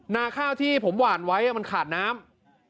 นาข้าวที่ผมหวานไว้มันขาดน้ำ